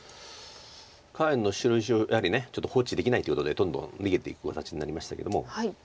下辺の白石をやはりちょっと放置できないということでどんどん逃げていく形になりましたけども。